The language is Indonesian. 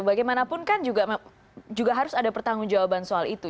bagaimanapun kan juga harus ada pertanggung jawaban soal itu